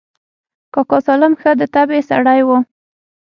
کاکا سالم ښه د طبعې سړى و.